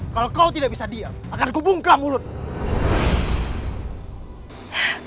kalau kau tidak bisa diam akan kubungka mulutmu